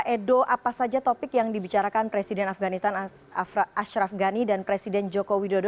edo apa saja topik yang dibicarakan presiden afganistan ashraf ghani dan presiden joko widodo